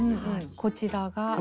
こちらは。